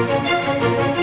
udah ngeri ngeri aja